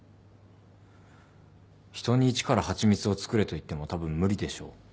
人に一から蜂蜜を作れと言ってもたぶん無理でしょう。